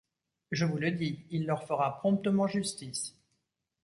Je vous le dis, il leur fera promptement justice.